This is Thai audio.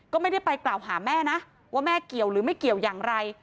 ก็ไม่ได้ไปกล่าวหาแม่นะว่าแม่เกี่ยวหรือไม่เกี่ยวอย่างไร